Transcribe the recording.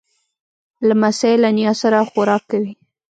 لمسی له نیا سره خوراک کوي.